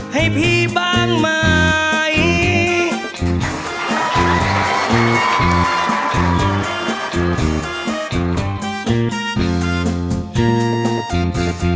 ให้พี่บ้างไหม